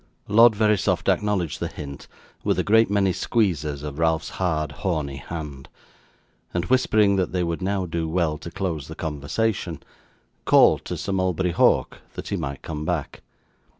Lord Verisopht acknowledged the hint with a great many squeezes of Ralph's hard, horny hand, and whispering that they would now do well to close the conversation, called to Sir Mulberry Hawk that he might come back.